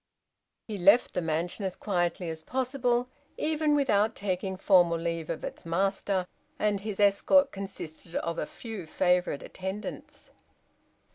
He left the mansion as quietly as possible, even without taking formal leave of its master, and his escort consisted of a few favorite attendants.